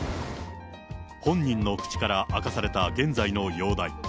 本人の口から明かされた現在の容体。